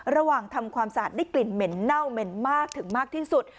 ระหว่างทำความสะอาดได้กลิ่นเหม็นเน่าเหม็นมากถึงมากที่สุด